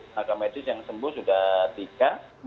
tenaga medis yang sembuh sudah tiga